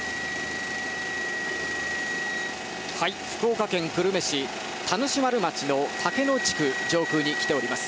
福岡県久留米市田主丸町の竹野地区上空に来ております。